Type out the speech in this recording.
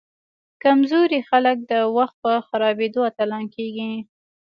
کمزوري خلک د وخت په خرابیدو اتلان کیږي.